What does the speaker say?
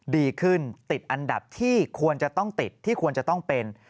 ดีขึ้นติดอันดับที่ควรจะต้องติดที่ควรจะต้องเป็น